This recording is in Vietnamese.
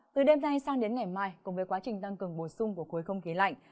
từ đêm nay sang đến ngày mai cùng với quá trình tăng cường bổ sung của khối không khí lạnh